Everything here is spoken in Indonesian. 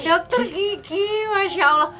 dokter gigi masya allah